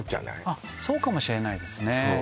あそうかもしれないですね